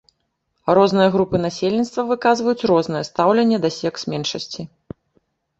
Розныя групы насельніцтва выказваюць рознае стаўленне да секс-меншасцей.